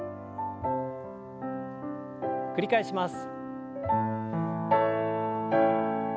繰り返します。